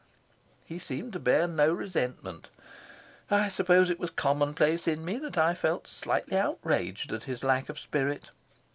He seemed to bear no resentment. I suppose it was commonplace in me that I felt slightly outraged at his lack of spirit.